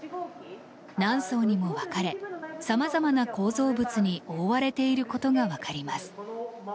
何層にも分かれさまざまな構造物に覆われていることが分かります。